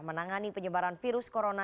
menangani penyebaran virus corona